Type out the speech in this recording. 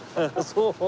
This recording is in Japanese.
そう。